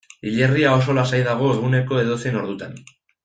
Hilerria oso lasai dago eguneko edozein ordutan.